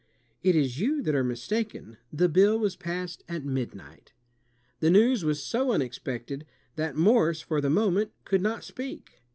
"It is you that are mistaken. The bill was passed at midnight." The news was so unexpected, that Morse for the moment could not speak.